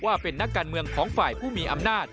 ว่าเป็นนักการเมืองของฝ่ายผู้มีอำนาจ